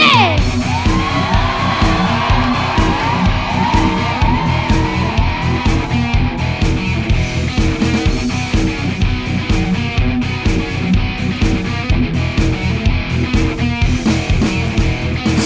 เรียกประกันแล้วยังคะ